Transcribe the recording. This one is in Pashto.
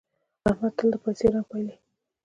احمد تل د پايڅې رنګ پالي.